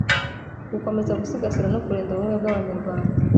Gukomeza gusigasira no kurinda ubumwe bw abanyarwanda